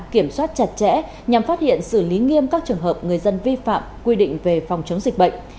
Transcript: kiểm soát chặt chẽ nhằm phát hiện xử lý nghiêm các trường hợp người dân vi phạm quy định về phòng chống dịch bệnh